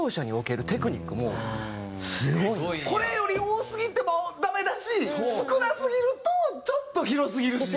だからこういうこれより多すぎてもダメだし少なすぎるとちょっと広すぎるし。